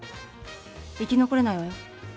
生き残れないわよ。